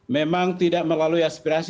memang tidak melalui aspirasi